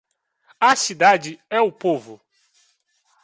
A cidade é o povo.